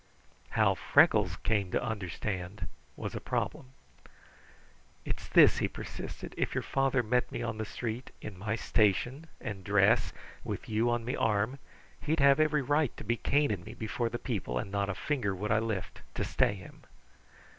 How Freckles came to understand was a problem. "It's this," he persisted. "If your father met me on the street, in my station and dress, with you on me arm, he'd have every right to be caning me before the people, and not a finger would I lift to stay him."